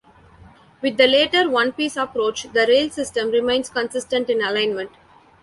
With the later one piece approach, the rail system remains consistent in alignment.